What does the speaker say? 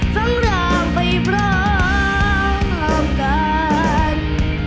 ทั้งร่างไปพร้อมลามกัน